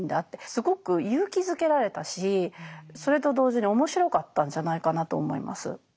すごく勇気づけられたしそれと同時に面白かったんじゃないかなと思います。